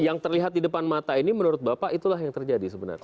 yang terlihat di depan mata ini menurut bapak itulah yang terjadi sebenarnya